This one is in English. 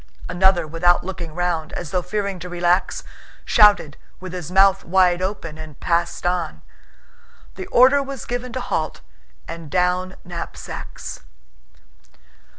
Another, without looking round, as though fearing to relax, shouted with his mouth wide open and passed on. The order was given to halt and down knapsacks.